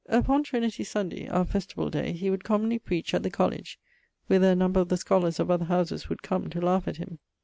Upon Trinity Sunday (our festival day) he would commonly preach at the Colledge, whither a number of the scholars of other howses would come, to laugh at him.